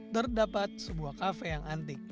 terdapat sebuah kafe yang antik